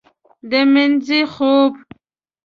د مینځې خوب